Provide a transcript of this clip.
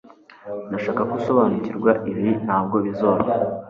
Ndashaka ko usobanukirwa ibi ntabwo bizoroha